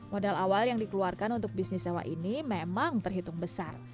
modal awal yang dikeluarkan untuk bisnis sewa ini memang terhitung besar